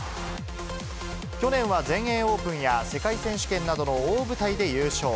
去年は全英オープンや、世界選手権などの大舞台で優勝。